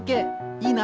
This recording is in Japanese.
いいな！